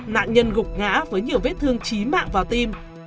nạn nhân gục ngã với nhiều vết thương trí mạng vào tim